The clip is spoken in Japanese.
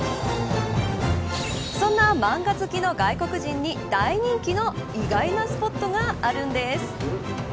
そんな漫画好きの外国人に大人気の意外なスポットがあるんです。